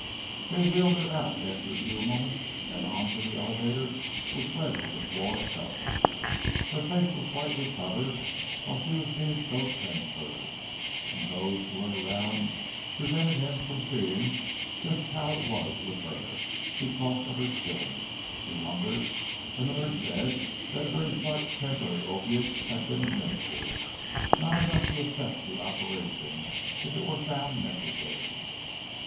They wheeled her out after a few moments and on to the elevator which led to the floor above. Her face was slightly covered while she was being so transferred, and those who were around prevented him from seeing just how it was with her, but because of her stillness, he wondered, and the nurse said that a very slight temporary opiate had been administered not enough to affect the operation, if it were found necessary.